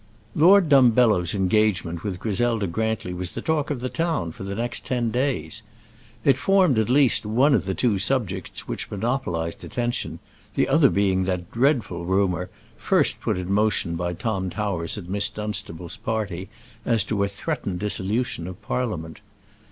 Lord Dumbello's engagement with Griselda Grantly was the talk of the town for the next ten days. It formed, at least, one of two subjects which monopolized attention, the other being that dreadful rumour, first put in motion by Tom Towers at Miss Dunstable's party, as to a threatened dissolution of Parliament.